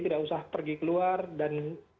tidak usah pergi keluar dan